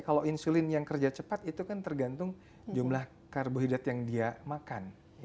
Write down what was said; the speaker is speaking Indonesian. kalau insulin yang kerja cepat itu kan tergantung jumlah karbohidrat yang dia makan